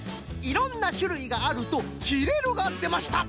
「いろんなしゅるいがある」と「きれる」がでました。